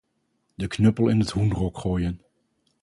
De knuppel in het hoenderhok gooien.